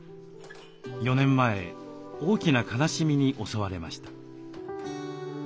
４年前大きな悲しみに襲われました。